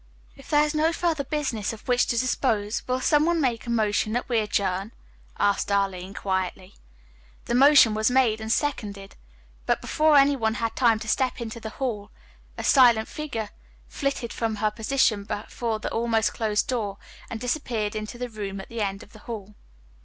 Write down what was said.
"If there is no further business of which to dispose, will some one make a motion that we adjourn!" asked Arline quietly. The motion was made and seconded, but before any one had time to step into the hall, a slight figure flitted from her position before the almost closed door, and disappeared into the room at the end of the hall.